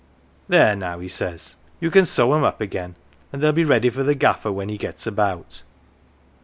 'There now,' he says, ' ye can sew 'em up again, an' they'll be ready for the gaffer when he gets about.'